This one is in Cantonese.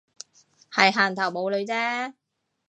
係行頭冇女啫